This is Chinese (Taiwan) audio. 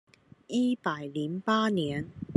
一百零八年